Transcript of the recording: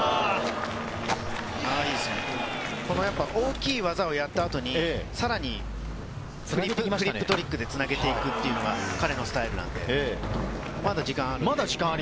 大きい技をやった後に、さらにフリップトリックでつなげていくというのが彼のスタイルなんで、まだ時間あるんで。